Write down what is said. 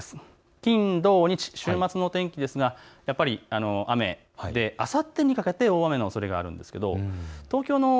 金土日、週末の天気、やはり雨で、あさってにかけて大雨のおそれがあります。